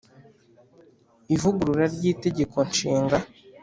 ivugurura ry Itegeko Nshinga